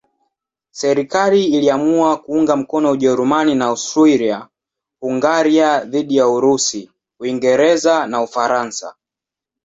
Serikali iliamua kuunga mkono Ujerumani na Austria-Hungaria dhidi ya Urusi, Uingereza na Ufaransa.